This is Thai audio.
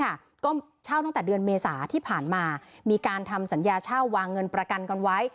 ก็เช่าตั้งแต่เดือนเมษาที่ผ่านมามีการทำสัญญาเช่าวางเงินประกันกันไว้